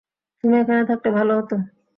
তুমি এখানে থাকলে ভালো হত।